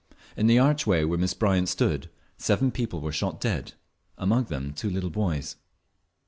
In the archway where Miss Bryant stood seven people were shot dead, among them two little boys.